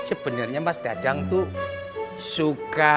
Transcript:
sebenarnya mas dadang tuh suka